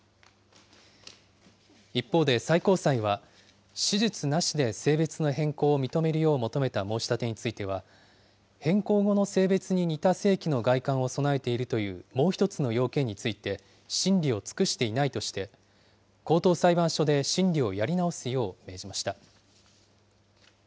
一方で最高裁は、手術なしで性別の変更を認めるよう求めた申し立てについては、変更後の性別に似た性器の外観を備えているというもう１つの要件について審理を尽くしていないとして、高等裁判所で審理をやり直すよう命じました。